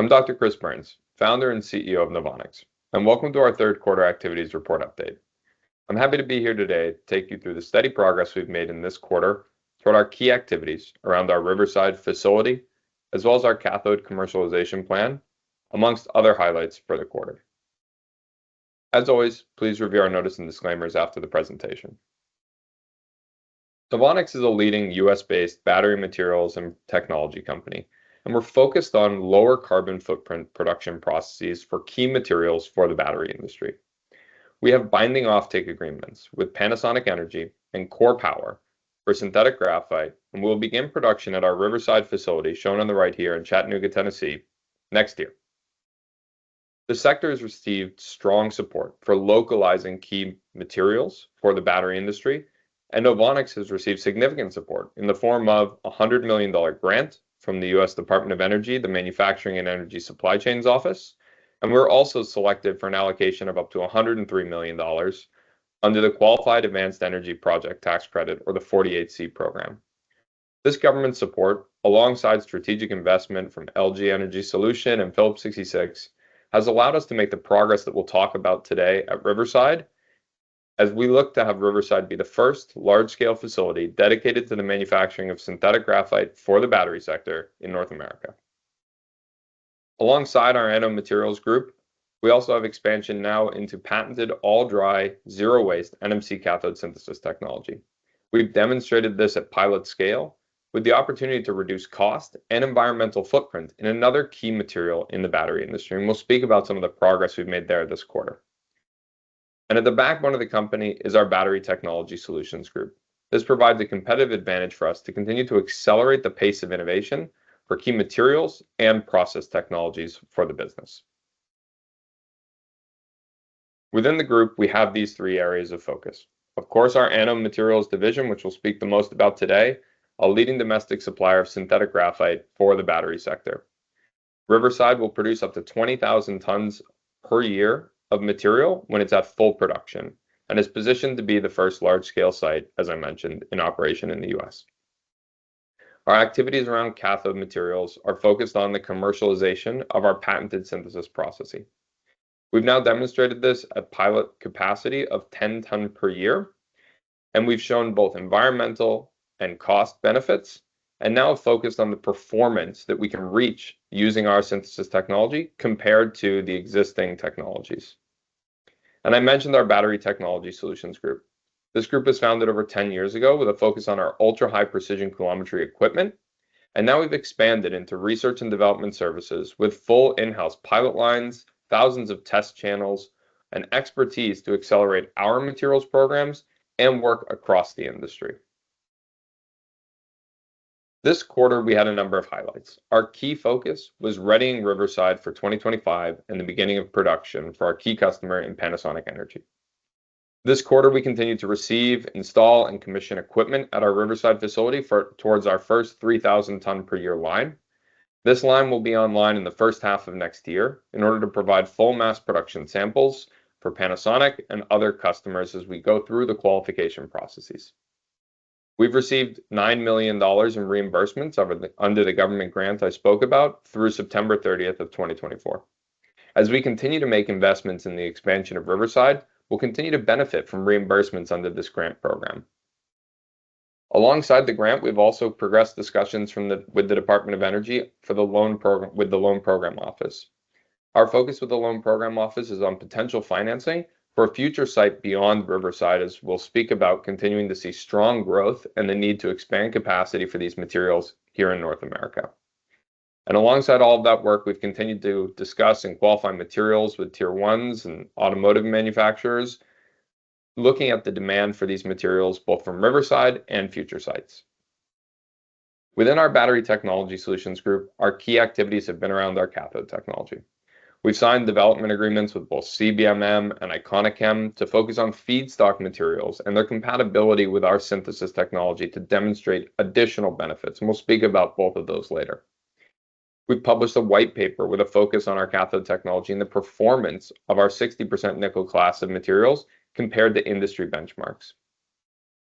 Hi, I'm Dr. Chris Burns, founder and CEO of Novonix, and welcome to our third quarter activities report update. I'm happy to be here today to take you through the steady progress we've made in this quarter toward our key activities around our Riverside facility, as well as our cathode commercialization plan, among other highlights for the quarter. As always, please review our notice and disclaimers after the presentation. Novonix is a leading U.S.-based battery materials and technology company, and we're focused on lower carbon footprint production processes for key materials for the battery industry. We have binding offtake agreements with Panasonic Energy and KORE Power for synthetic graphite, and we'll begin production at our Riverside facility shown on the right here in Chattanooga, Tennessee, next year. The sector has received strong support for localizing key materials for the battery industry, and Novonix has received significant support in the form of a $100 million grant from the U.S. Department of Energy, the Manufacturing and Energy Supply Chains Office, and we're also selected for an allocation of up to $103 million under the Qualified Advanced Energy Project Tax Credit, or the 48C program. This government support, alongside strategic investment from LG Energy Solution and Phillips 66, has allowed us to make the progress that we'll talk about today at Riverside, as we look to have Riverside be the first large-scale facility dedicated to the manufacturing of synthetic graphite for the battery sector in North America. Alongside our Nanomaterials Group, we also have expansion now into patented all-dry, zero-waste NMC cathode synthesis technology. We've demonstrated this at pilot scale with the opportunity to reduce cost and environmental footprint in another key material in the battery industry, and we'll speak about some of the progress we've made there this quarter, and at the backbone of the company is our Battery Technology Solutions Group. This provides a competitive advantage for us to continue to accelerate the pace of innovation for key materials and process technologies for the business. Within the group, we have these three areas of focus. Of course, our Nanomaterials Division, which we'll speak the most about today, is a leading domestic supplier of synthetic graphite for the battery sector. Riverside will produce up to 20,000 tons per year of material when it's at full production and is positioned to be the first large-scale site, as I mentioned, in operation in the U.S. Our activities around cathode materials are focused on the commercialization of our patented synthesis processing. We've now demonstrated this at pilot capacity of 10 tons per year, and we've shown both environmental and cost benefits, and now focused on the performance that we can reach using our synthesis technology compared to the existing technologies. I mentioned our Battery Technology Solutions Group. This group was founded over 10 years ago with a focus on our ultra-high precision coulometry equipment, and now we've expanded into research and development services with full in-house pilot lines, thousands of test channels, and expertise to accelerate our materials programs and work across the industry. This quarter, we had a number of highlights. Our key focus was readying Riverside for 2025 and the beginning of production for our key customer in Panasonic Energy. This quarter, we continue to receive, install, and commission equipment at our Riverside facility towards our first 3,000-ton-per-year line. This line will be online in the first half of next year in order to provide full mass production samples for Panasonic and other customers as we go through the qualification processes. We've received $9 million in reimbursements under the government grant I spoke about through September 30th of 2024. As we continue to make investments in the expansion of Riverside, we'll continue to benefit from reimbursements under this grant program. Alongside the grant, we've also progressed discussions with the Department of Energy for the loan program with the Loan Programs Office. Our focus with the Loan Programs Office is on potential financing for a future site beyond Riverside, as we'll speak about continuing to see strong growth and the need to expand capacity for these materials here in North America. Alongside all of that work, we've continued to discuss and qualify materials with Tier 1s and automotive manufacturers, looking at the demand for these materials both from Riverside and future sites. Within our Battery Technology Solutions Group, our key activities have been around our cathode technology. We've signed development agreements with both CBMM and ICoNiChem to focus on feedstock materials and their compatibility with our synthesis technology to demonstrate additional benefits, and we'll speak about both of those later. We've published a white paper with a focus on our cathode technology and the performance of our 60% nickel class of materials compared to industry benchmarks.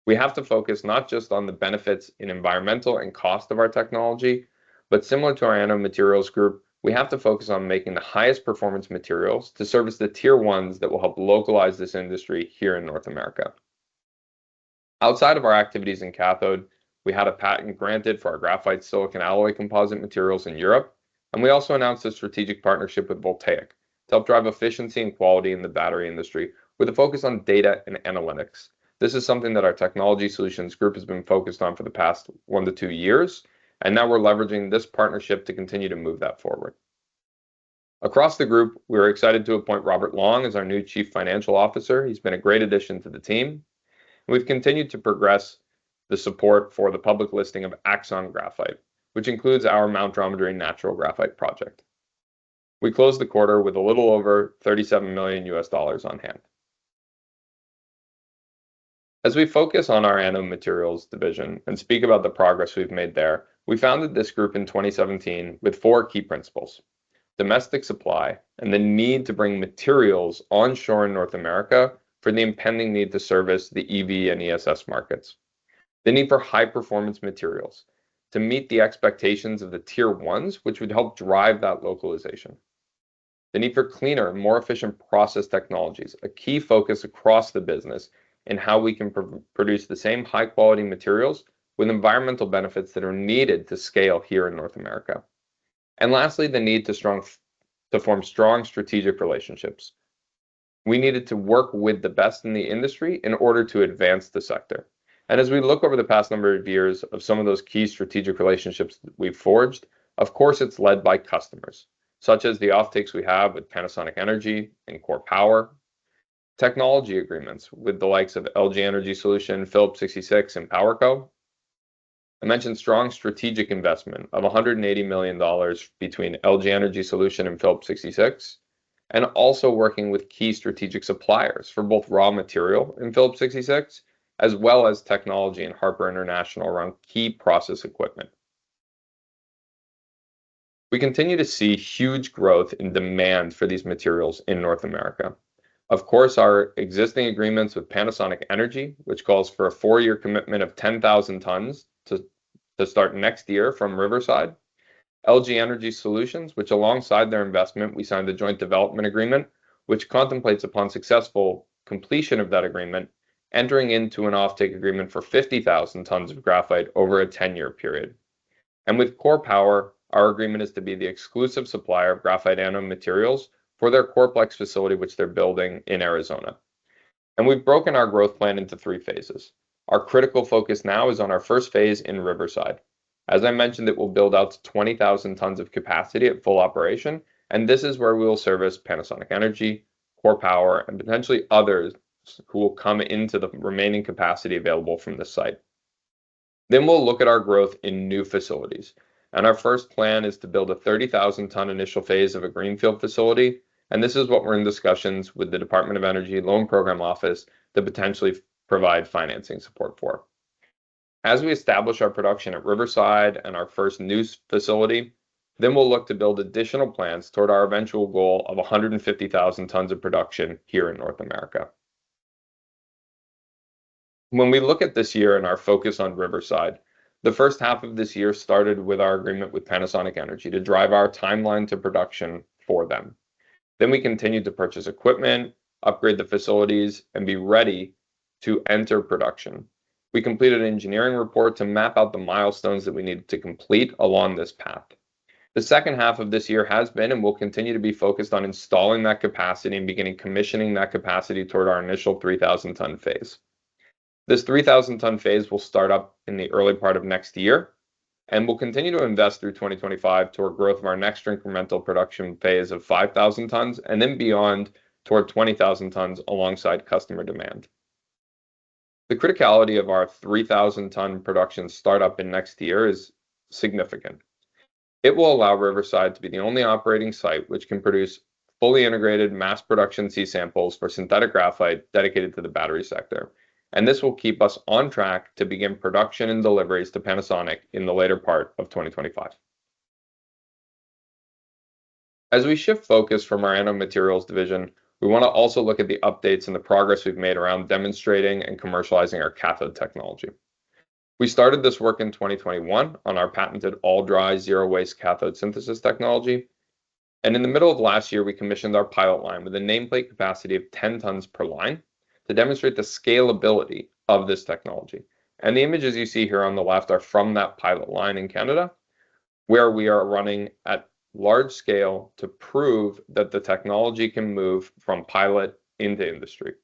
We have to focus not just on the benefits in environmental and cost of our technology, but similar to our Nanomaterials Group, we have to focus on making the highest performance materials to service the tier ones that will help localize this industry here in North America. Outside of our activities in cathode, we had a patent granted for our graphite silicon alloy composite materials in Europe, and we also announced a strategic partnership with Voltaiq to help drive efficiency and quality in the battery industry with a focus on data and analytics. This is something that our Technology Solutions Group has been focused on for the past one to two years, and now we're leveraging this partnership to continue to move that forward. Across the group, we're excited to appoint Robert Long as our new Chief Financial Officer. He's been a great addition to the team, and we've continued to progress the support for the public listing of Axon Graphite, which includes our Mount Dromedary natural graphite project. We closed the quarter with a little over $37 million on hand. As we focus on our Nanomaterials Division and speak about the progress we've made there, we founded this group in 2017 with four key principles: domestic supply and the need to bring materials onshore in North America for the impending need to service the EV and ESS markets, the need for high-performance materials to meet the expectations of the tier ones, which would help drive that localization, the need for cleaner, more efficient process technologies, a key focus across the business in how we can produce the same high-quality materials with environmental benefits that are needed to scale here in North America, and lastly, the need to form strong strategic relationships. We needed to work with the best in the industry in order to advance the sector. As we look over the past number of years of some of those key strategic relationships we've forged, of course, it's led by customers such as the offtakes we have with Panasonic Energy and KORE Power, technology agreements with the likes of LG Energy Solution, Phillips 66, and PowerCo. I mentioned strong strategic investment of $180 million between LG Energy Solution and Phillips 66, and also working with key strategic suppliers for both raw material and Phillips 66, as well as technology and Harper International around key process equipment. We continue to see huge growth in demand for these materials in North America. Of course, our existing agreements with Panasonic Energy, which calls for a four-year commitment of 10,000 tons to start next year from Riverside. LG Energy Solution, which alongside their investment, we signed a joint development agreement, which contemplates upon successful completion of that agreement, entering into an offtake agreement for 50,000 tons of graphite over a 10-year period. And with KORE Power, our agreement is to be the exclusive supplier of graphite nanomaterials for their KOREPlex facility, which they're building in Arizona. And we've broken our growth plan into three phases. Our critical focus now is on our first phase in Riverside. As I mentioned, it will build out to 20,000 tons of capacity at full operation, and this is where we will service Panasonic Energy, KORE Power, and potentially others who will come into the remaining capacity available from the site. Then we'll look at our growth in new facilities, and our first plan is to build a 30,000-ton initial phase of a greenfield facility, and this is what we're in discussions with the Department of Energy Loan Program Office to potentially provide financing support for. As we establish our production at Riverside and our first new facility, then we'll look to build additional plans toward our eventual goal of 150,000 tons of production here in North America. When we look at this year and our focus on Riverside, the first half of this year started with our agreement with Panasonic Energy to drive our timeline to production for them. Then we continued to purchase equipment, upgrade the facilities, and be ready to enter production. We completed an engineering report to map out the milestones that we needed to complete along this path. The second half of this year has been and will continue to be focused on installing that capacity and beginning commissioning that capacity toward our initial 3,000-ton phase. This 3,000-ton phase will start up in the early part of next year and will continue to invest through 2025 toward growth of our next incremental production phase of 5,000 tons and then beyond toward 20,000 tons alongside customer demand. The criticality of our 3,000-ton production startup in next year is significant. It will allow Riverside to be the only operating site which can produce fully integrated mass production C samples for synthetic graphite dedicated to the battery sector, and this will keep us on track to begin production and deliveries to Panasonic in the later part of 2025. As we shift focus from our Nanomaterials Division, we want to also look at the updates and the progress we've made around demonstrating and commercializing our cathode technology. We started this work in 2021 on our patented all-dry, zero-waste cathode synthesis technology, and in the middle of last year, we commissioned our pilot line with a nameplate capacity of 10 tons per line to demonstrate the scalability of this technology. The images you see here on the left are from that pilot line in Canada, where we are running at large scale to prove that the technology can move from pilot into industry.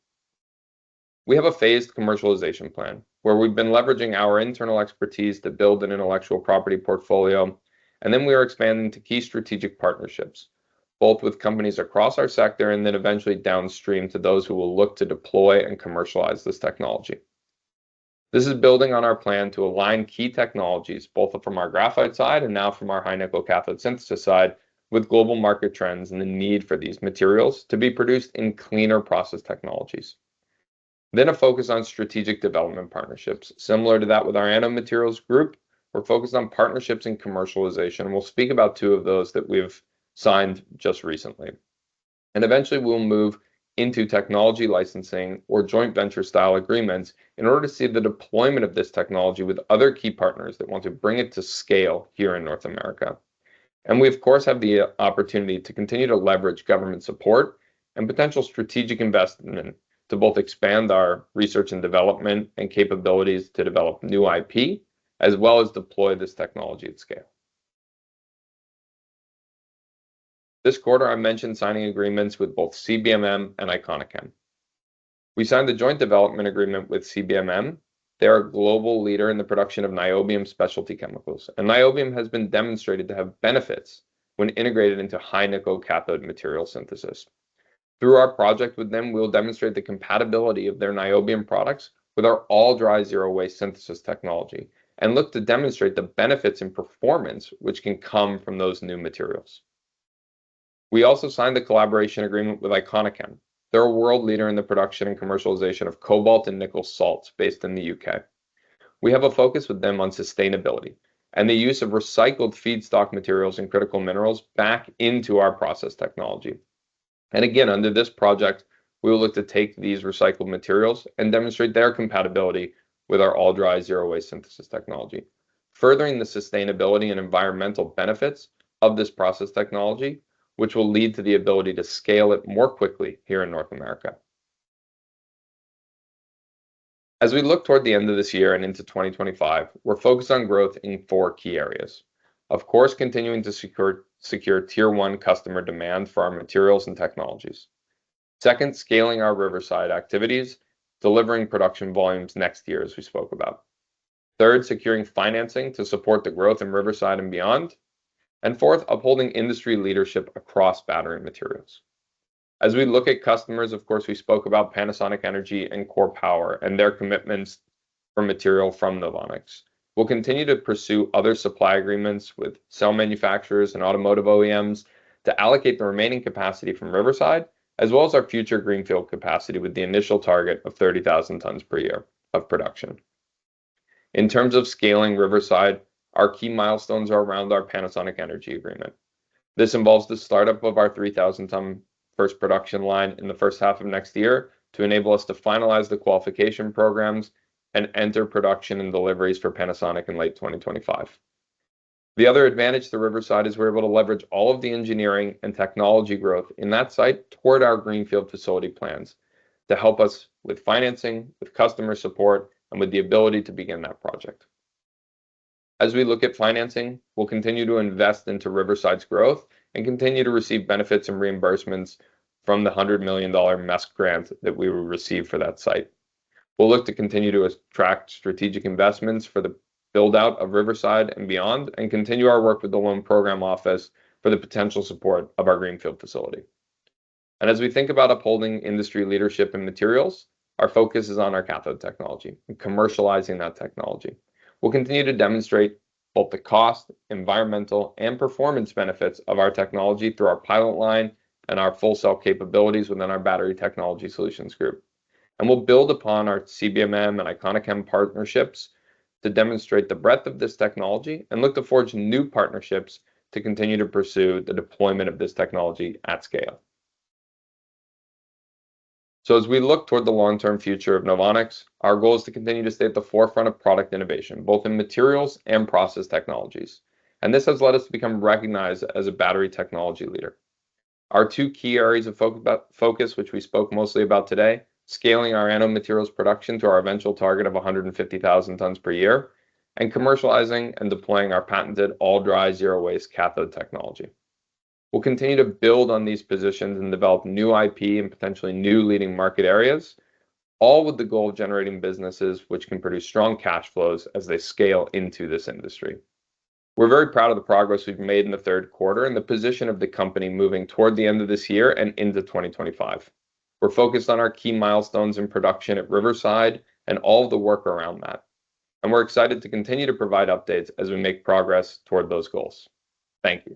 We have a phased commercialization plan where we've been leveraging our internal expertise to build an intellectual property portfolio, and then we are expanding to key strategic partnerships, both with companies across our sector and then eventually downstream to those who will look to deploy and commercialize this technology. This is building on our plan to align key technologies both from our graphite side and now from our high-nickel cathode synthesis side with global market trends and the need for these materials to be produced in cleaner process technologies. Then a focus on strategic development partnerships. Similar to that with our nanomaterials group, we're focused on partnerships and commercialization, and we'll speak about two of those that we've signed just recently. Eventually, we'll move into technology licensing or joint venture-style agreements in order to see the deployment of this technology with other key partners that want to bring it to scale here in North America. We, of course, have the opportunity to continue to leverage government support and potential strategic investment to both expand our research and development and capabilities to develop new IP, as well as deploy this technology at scale. This quarter, I mentioned signing agreements with both CBMM and ICoNiChem. We signed the joint development agreement with CBMM. They're a global leader in the production of niobium specialty chemicals, and niobium has been demonstrated to have benefits when integrated into high-nickel cathode material synthesis. Through our project with them, we'll demonstrate the compatibility of their niobium products with our all-dry, zero-waste synthesis technology and look to demonstrate the benefits in performance which can come from those new materials. We also signed the collaboration agreement with ICoNiChem. They're a world leader in the production and commercialization of cobalt and nickel salts based in the U.K. We have a focus with them on sustainability and the use of recycled feedstock materials and critical minerals back into our process technology, and again, under this project, we will look to take these recycled materials and demonstrate their compatibility with our all-dry, zero-waste synthesis technology, furthering the sustainability and environmental benefits of this process technology, which will lead to the ability to scale it more quickly here in North America. As we look toward the end of this year and into 2025, we're focused on growth in four key areas. Of course, continuing to secure tier one customer demand for our materials and technologies. Second, scaling our Riverside activities, delivering production volumes next year, as we spoke about. Third, securing financing to support the growth in Riverside and beyond. And fourth, upholding industry leadership across battery materials. As we look at customers, of course, we spoke about Panasonic Energy and KORE Power and their commitments for material from Novonix. We'll continue to pursue other supply agreements with cell manufacturers and automotive OEMs to allocate the remaining capacity from Riverside, as well as our future greenfield capacity with the initial target of 30,000 tons per year of production. In terms of scaling Riverside, our key milestones are around our Panasonic Energy agreement. This involves the startup of our 3,000-ton first production line in the first half of next year to enable us to finalize the qualification programs and enter production and deliveries for Panasonic in late 2025. The other advantage to Riverside is we're able to leverage all of the engineering and technology growth in that site toward our greenfield facility plans to help us with financing, with customer support, and with the ability to begin that project. As we look at financing, we'll continue to invest into Riverside's growth and continue to receive benefits and reimbursements from the $100 million MESC grant that we will receive for that site. We'll look to continue to attract strategic investments for the build-out of Riverside and beyond and continue our work with the Loan Program Office for the potential support of our greenfield facility. As we think about upholding industry leadership in materials, our focus is on our cathode technology and commercializing that technology. We'll continue to demonstrate both the cost, environmental, and performance benefits of our technology through our pilot line and our full-cell capabilities within our Battery Technology Solutions Group. We'll build upon our CBMM and ICoNiChem partnerships to demonstrate the breadth of this technology and look to forge new partnerships to continue to pursue the deployment of this technology at scale. As we look toward the long-term future of Novonix, our goal is to continue to stay at the forefront of product innovation, both in materials and process technologies. This has led us to become recognized as a battery technology leader. Our two key areas of focus, which we spoke mostly about today, are scaling our nanomaterials production to our eventual target of 150,000 tons per year and commercializing and deploying our patented all-dry, zero-waste cathode technology. We'll continue to build on these positions and develop new IP and potentially new leading market areas, all with the goal of generating businesses which can produce strong cash flows as they scale into this industry. We're very proud of the progress we've made in the third quarter and the position of the company moving toward the end of this year and into 2025. We're focused on our key milestones in production at Riverside and all of the work around that, and we're excited to continue to provide updates as we make progress toward those goals. Thank you.